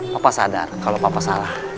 papa sadar kalau papa salah